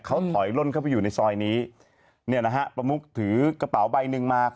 เขาถอยล่นเข้าไปอยู่ในซอยนี้เนี่ยนะฮะประมุกถือกระเป๋าใบหนึ่งมา